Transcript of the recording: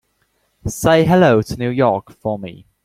Say hello to New York for me.